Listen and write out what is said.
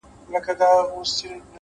هره ورځ نوې فرصت دی,